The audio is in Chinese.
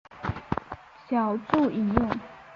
脚注引用